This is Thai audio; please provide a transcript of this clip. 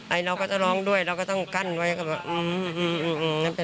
ไอเราก็จะร้องด้วยเราก็ต้องกั้นไว้ก็แบบอืมอืมอืมอืมอืมเป็นไรแล้วน่ะ